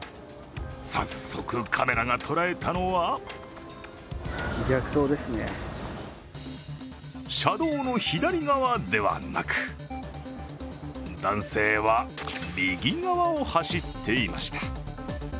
早速、カメラがとらえたのは車道の左側ではなく男性は、右側を走っていました。